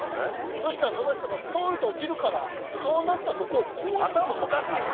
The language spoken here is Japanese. そしたらその人がストンと落ちるからそうなったとこをこう頭おかしいんか？